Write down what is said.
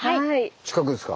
近くですか？